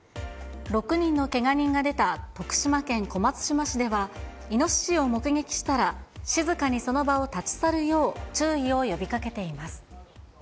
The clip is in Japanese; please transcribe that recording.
６人のけが人が出た徳島県小松島市では、イノシシを目撃したら、静かにその場を立ち去るよう注意を呼びかけています。